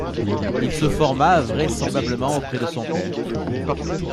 Il se forma vraisemblablement auprès de son père.